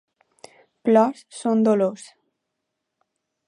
Plors són dolors.